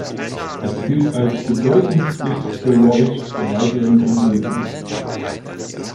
Es gilt als bedeutendstes Geläut der weiteren Umgebung.